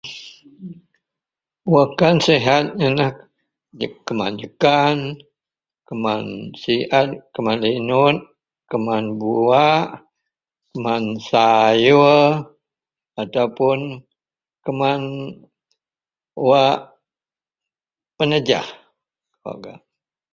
Wak kan sehat----Iyenlah keman jekan, keman siet, keman linut, keman buwak, keman sayur atau puon keman wak penejah.